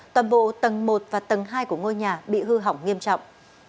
toàn bộ tầng một và tầng hai của ngôi nhà bị hư hỏng nghiêm trọng